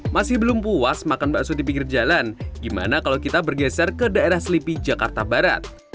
masih belum puas makan bakso di pinggir jalan gimana kalau kita bergeser ke daerah selipi jakarta barat